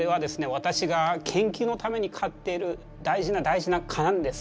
私が研究のために飼っている大事な大事な蚊なんです。